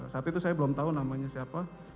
saat itu saya belum tahu namanya siapa